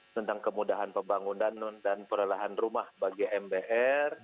tentang kemudahan pembangunan dan perlahan rumah bagi mbr